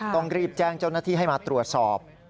ต้องรีบแจ้งเจ้าหน้าที่ให้มาตรวจสอบ